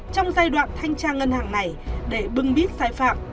trong giai đoạn thanh tra ngân hàng này để bưng bít sai phạm